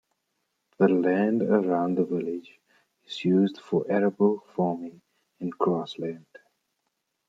The land around the village is used for arable farming and grassland.